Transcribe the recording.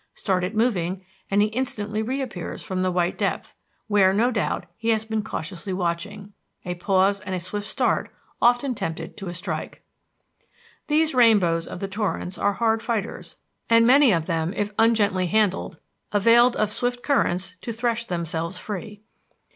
Start it moving and he instantly reappears from the white depth, where, no doubt, he has been cautiously watching. A pause and a swift start often tempted to a strike. These rainbows of the torrents are hard fighters. And many of them, if ungently handled, availed of swift currents to thresh themselves free.